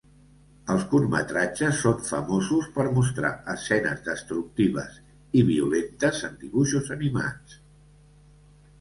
Els curtmetratges són famosos per mostrar escenes destructives i violentes en dibuixos animats.